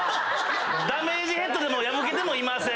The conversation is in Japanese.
ダメージヘッドでも破けてもいません。